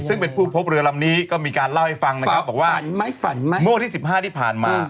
ซึ่งเป็นผู้พบเรือลำนี้ก็มีการเล่าให้ฟังนะครับบอกว่าเมื่อวันที่๑๕ที่ผ่านมา